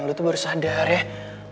lu tuh baru sadar ya